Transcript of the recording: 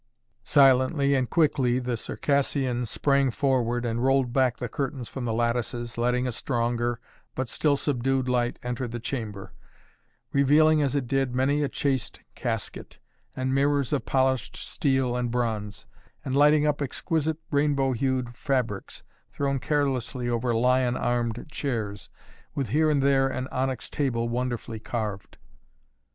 Silently and quickly the Circassian sprang forward and rolled back the curtains from the lattices, letting a stronger but still subdued light enter the chamber, revealing, as it did, many a chased casket, and mirrors of polished steel and bronze, and lighting up exquisite rainbow hued fabrics, thrown carelessly over lion armed chairs, with here and there an onyx table wonderfully carved.